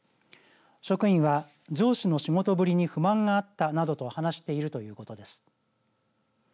職員は上司の仕事ぶりに不満があったなどと話しているということです。